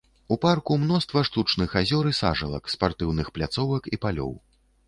У парку мноства штучных азёр і сажалак, спартыўных пляцовак і палёў.